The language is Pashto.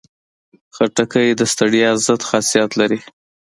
خټکی د ستړیا ضد خاصیت لري.